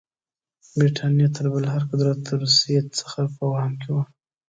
برټانیه تر بل هر قدرت د روسیې څخه په وهم کې وه.